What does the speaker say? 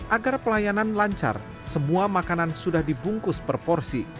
agar pelayanan lancar semua makanan sudah dibungkus per porsi